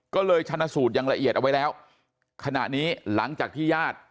ก็เลยชนะสูตรอย่างละเอียดเอาไว้แล้วขณะนี้หลังจากที่ญาติ